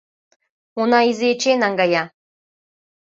Уна Изи Эчей наҥгая.